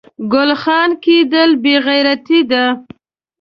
ګل خان کیدل بې غیرتي ده